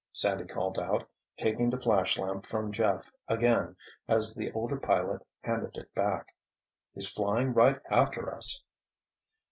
Sandy called out, taking the flashlamp from Jeff again as the older pilot handed it back. "He's flying right after us."